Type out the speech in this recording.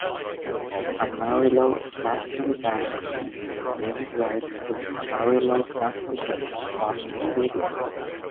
Amarillo National Bank owns the naming rights to Amarillo National Bank Sox Stadium.